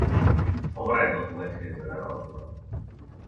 El barret dels bolets que més agrada la Pilar.